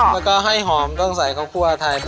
แล้วก็ให้หอมต้องใส่ข้าวคั่วไทย